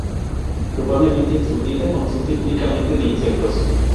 Probablemente, su dieta consiste únicamente de insectos.